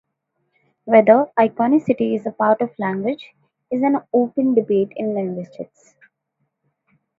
Whether iconicity is a part of language is an open debate in linguistics.